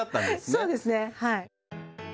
そうですねはい。